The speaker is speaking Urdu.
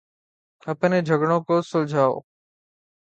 اپنے جھگڑوں کو سلجھاؤ۔